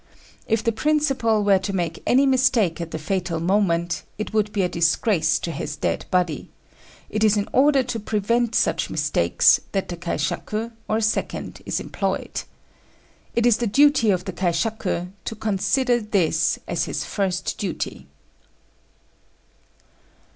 If the principal were to make any mistake at the fatal moment, it would be a disgrace to his dead body: it is in order to prevent such mistakes that the kaishaku, or second, is employed. It is the duty of the kaishaku to consider this as his first duty.